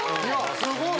すごい！